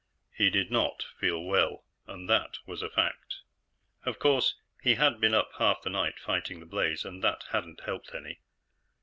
He did not feel well, and that was a fact. Of course, he had been up half the night fighting the blaze, and that hadn't helped any.